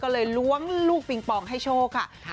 ก็เลยล้วงลูกปิงปองให้โชคค่ะ